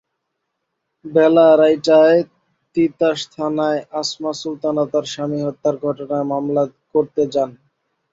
বেলা আড়াইটায় তিতাস থানায় আসমা সুলতানা তাঁর স্বামীর হত্যার ঘটনায় মামলা করতে যান।